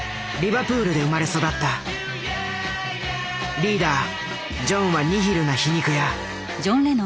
リーダージョンはニヒルな皮肉屋。